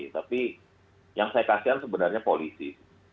tapi yang saya kasihan sebenarnya polisi